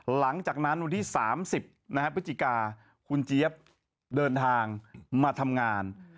หลังจากที่๓๐พฤศจิกาคุณเจี๊ยบเดินทางมาทำงาน